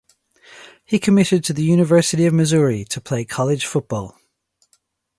He committed to the University of Missouri to play college football.